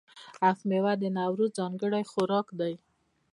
هفت میوه د نوروز ځانګړی خوراک دی.